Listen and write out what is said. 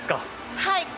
はい。